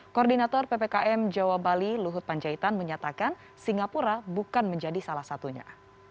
koordinator ppkm jawa bali luhut panjaitan menyatakan singapura bukan menjadi salah satunya